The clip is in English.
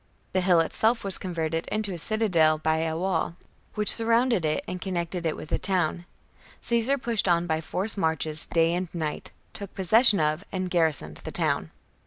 The hill itself was converted into a citadel by a wall, which surrounded it and connected it with the town. Caesar pushed on by forced marches night and day, took possession of, and garrisoned the town. Panic in 39.